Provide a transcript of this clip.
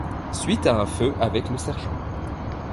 Suite à un feud avec le Sgt.